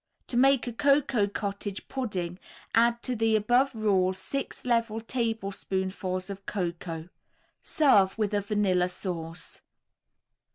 To make a cocoa cottage pudding add to the above rule six level tablespoonfuls of cocoa. Serve with a vanilla sauce.